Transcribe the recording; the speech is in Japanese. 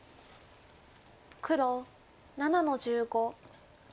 黒７の十五。